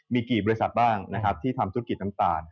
มีกี่บริษัทบ้างนะครับที่ทำธุรกิจน้ำตาล